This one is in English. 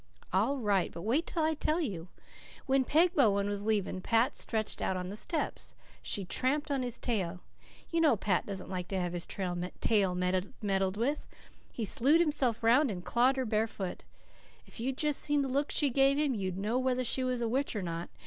"All right. But wait till I tell you. When Peg Bowen was leaving Pat stretched out on the steps. She tramped on his tail. You know Pat doesn't like to have his tail meddled with. He slewed himself round and clawed her bare foot. If you'd just seen the look she gave him you'd know whether she was a witch or not.